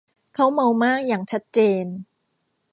เค้าเมามากอย่างชัดเจน